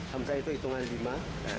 hamsa'iyah itu hitungan lima